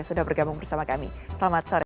sudah bergabung bersama kami selamat sore